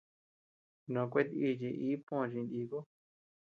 Nòò kueatʼichi ii pö chi jiniku.